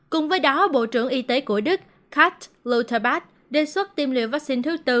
cùng với đó bộ trưởng y tế của đức kat lotharbach đề xuất tiêm liệu vaccine thứ tư